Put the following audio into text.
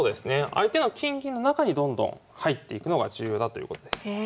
相手の金銀の中にどんどん入っていくのが重要だということです。